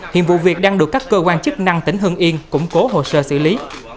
hiện vụ việc đang được các cơ quan chức năng tỉnh hưng yên củng cố hồ sơ xử lý